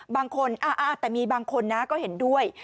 บางคนแต่มีบางคนนะก็เห็นด้วย